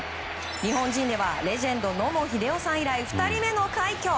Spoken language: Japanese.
日本人ではレジェンド野茂英雄さん以来２人目の快挙。